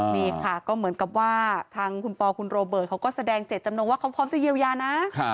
นี่ค่ะก็เหมือนกับว่าทางคุณปอคุณโรเบิร์ตเขาก็แสดงเจตจำนงว่าเขาพร้อมจะเยียวยานะ